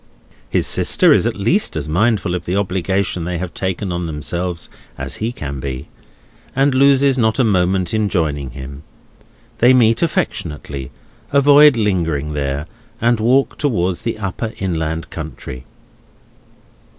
His sister is at least as mindful of the obligation they have taken on themselves as he can be, and loses not a moment in joining him. They meet affectionately, avoid lingering there, and walk towards the upper inland country.